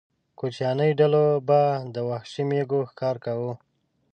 کوچیاني ډلو به د وحشي مېږو ښکار کاوه.